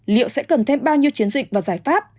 liệu sẽ cần thêm bao nhiêu chiến dịch và giải pháp